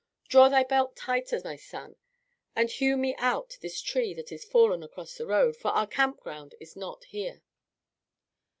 Draw thy belt tighter, my son, and hew me out this tree that is fallen across the road, for our campground is not here."